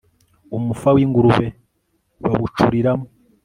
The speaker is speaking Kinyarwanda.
Umufa wingurube bawucuriramo